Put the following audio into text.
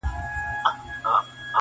څرنګه به ستر خالق ما د بل په تور نیسي-